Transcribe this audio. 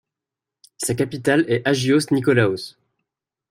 Sa capitale est Ágios Nikólaos.